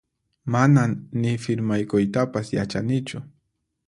Manan ni firmaykuytapas yachanichu